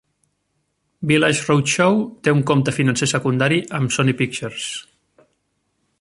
Village Roadshow té un compte financer secundari amb Sony Pictures.